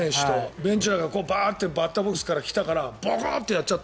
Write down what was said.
ベンチュラがバッターボックスから来たからボコッとやっちゃった。